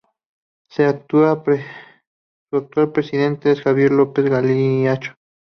Su actual presidente es Javier López-Galiacho.